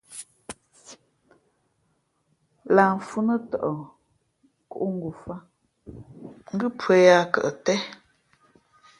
Lah mfhʉ̄ nά tαʼ kǒʼ ngofāt ngʉ́ pʉᾱ yāā jαʼ tén yáá.